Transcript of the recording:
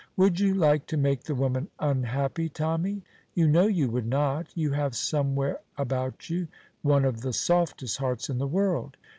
Would you like to make the woman unhappy, Tommy? You know you would not; you have somewhere about you one of the softest hearts in the world.